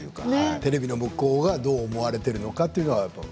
テレビの向こうがどう思われてるのかとは。